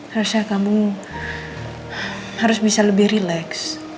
harusnya kamu harus bisa lebih relax